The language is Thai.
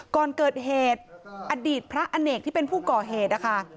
ก่อนเกิดเหตุอดีตพระอเนกที่เป็นผู้ก่อเหตุนะคะ